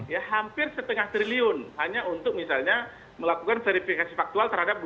ya hampir setengah triliun hanya untuk misalnya melakukan verifikasi faktual terhadap dua ribu